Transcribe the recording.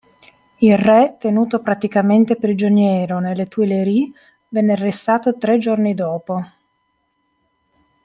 Il re, tenuto praticamente prigioniero nelle Tuileries, venne arrestato tre giorni dopo.